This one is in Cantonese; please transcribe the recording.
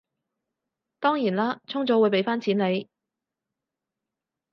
當然啦，充咗會畀返錢你